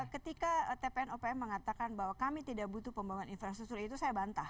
ketika tpn opm mengatakan bahwa kami tidak butuh pembangunan infrastruktur itu saya bantah